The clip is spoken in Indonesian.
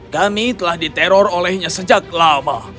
kami telah diteror olehnya sejak lama